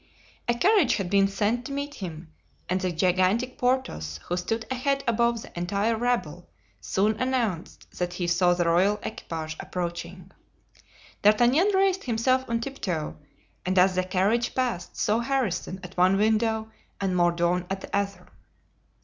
A carriage had been sent to meet him, and the gigantic Porthos, who stood a head above the entire rabble, soon announced that he saw the royal equipage approaching. D'Artagnan raised himself on tiptoe, and as the carriage passed, saw Harrison at one window and Mordaunt at the other.